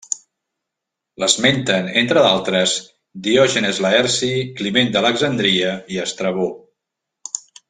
L'esmenten entre d'altres Diògenes Laerci, Climent d'Alexandria i Estrabó.